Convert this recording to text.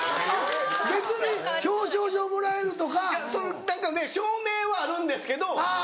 別に表彰状もらえるとか。証明はあるんですけど。